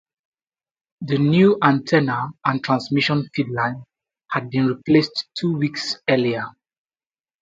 The new antenna and transmission feedline had been replaced two weeks earlier.